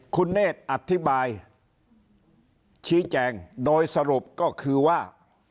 คุณเนธอธิบายชี้แจงโดยสรุปก็คือว่า